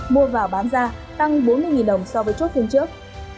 mua vào bán ra tăng bốn mươi đồng so với chốt phiên trước